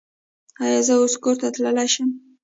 ایا زه اوس کور ته تلی شم؟